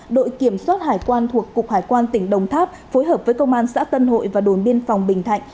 đội kiểm soát hải quan thuộc cục hải quan tỉnh đồng tháp phối hợp với công an xã tân hội và đồn biên phòng bình thạnh